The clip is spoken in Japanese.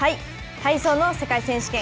体操の世界選手権。